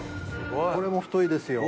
これも太いですよ。